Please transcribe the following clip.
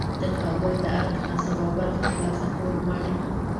د کابل د ارګ نصیب او برخه ترلاسه کول غواړي.